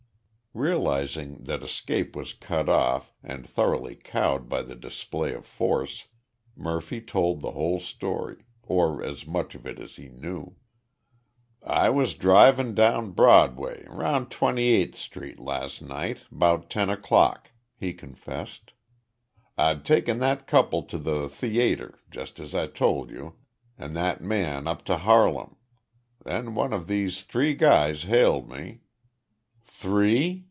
Realizing that escape was cut off and thoroughly cowed by the display of force, Murphy told the whole story or as much of it as he knew. "I was drivin' down Broadway round Twenty eig't Street last night, 'bout ten o'clock," he confessed. "I'd taken that couple to the the ayter, just as I told you, an' that man up to Harlem. Then one of these t'ree guys hailed me...." "Three?"